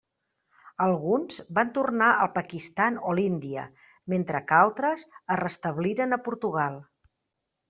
Alguns van tornar al Pakistan o l'Índia, mentre que altres es restabliren a Portugal.